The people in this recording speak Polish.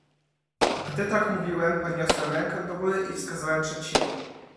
"Gdy tak mówiłem, podniosłem rękę do góry i wskazałem przed siebie."